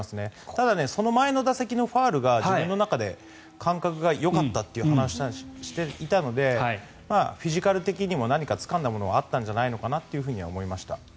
ただ、その前の打席のファウルが自分の中で感覚がよかったという話をしていたのでフィジカル的にも何かつかんだものはあったんじゃないのかなとは思いました。